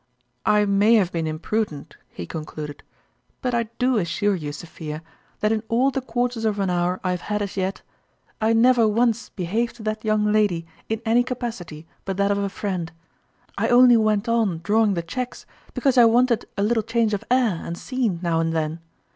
"I may have been imprudent," he con cluded ;" but I do assure you, Sophia, that in all the quarters of an hour I have had as yet, 136 (ftotmnahn's ime I never once behaved to that young lady in any capacity but that of a friend. I only went on drawing the cheques because I w r anted a little change of air and scene now and then.